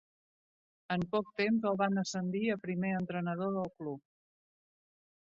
En poc temps el van ascendir a primer entrenador del club.